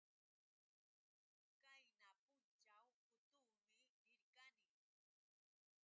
Qayna pućhaw ultuumi rirqani.